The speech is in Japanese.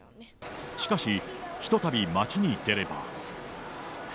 しかし、ひとたび街に出れば。